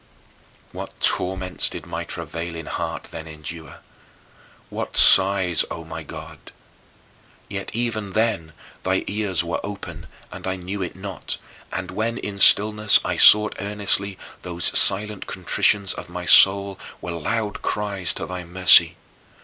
What torments did my travailing heart then endure! What sighs, O my God! Yet even then thy ears were open and I knew it not, and when in stillness I sought earnestly, those silent contritions of my soul were loud cries to thy mercy.